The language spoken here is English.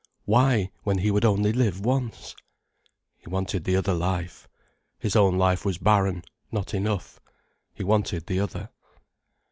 Why, when he would only live once? He wanted the other life. His own life was barren, not enough. He wanted the other.